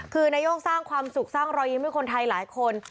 คือนายกสร้างความสุขสร้างรอยยิ้มให้คนไทยหลายคน